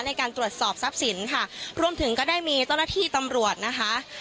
ในการตรวจสอบทรัพย์สินค่ะรวมถึงก็ได้มีเจ้าหน้าที่ตำรวจนะคะ